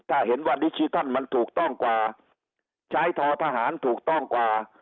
ถ้าเห็นว่าดิจิทัลมันถูกต้องกว่าใช้ทอทหารถูกต้องกว่า